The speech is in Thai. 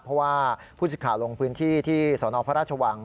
เพราะว่าผู้สิทธิ์ข่าวลงพื้นที่ที่สนพระราชวัง